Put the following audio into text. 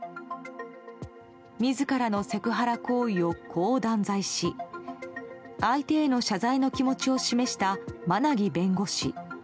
自らのセクハラ行為をこう断罪し相手への謝罪の気持ちを示した馬奈木弁護士。